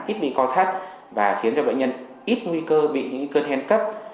ít bị co thắt và khiến cho bệnh nhân ít nguy cơ bị những cơn hen cấp